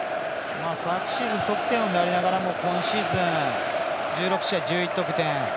昨シーズン得点王になりながらも今シーズン１６試合１１得点。